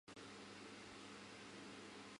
它在美国若干不同的基地进行。